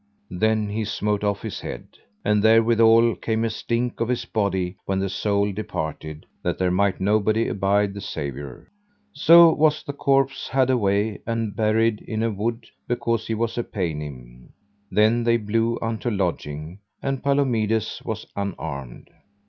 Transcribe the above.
Then he smote off his head. And therewithal came a stink of his body when the soul departed, that there might nobody abide the savour. So was the corpse had away and buried in a wood, because he was a paynim. Then they blew unto lodging, and Palomides was unarmed.